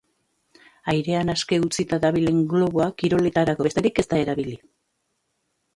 Airean aske utzita dabilen globoa kiroletarako besterik ez da erabili.